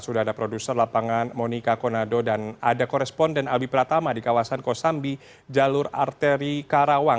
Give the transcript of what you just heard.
sudah ada produser lapangan monika konado dan ada koresponden albi pratama di kawasan kosambi jalur arteri karawang